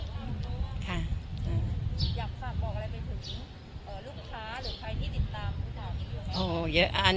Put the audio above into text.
อยากฝากบอกอะไรไปถึงลูกค้าหรือใครที่ติดตามหรือเปล่า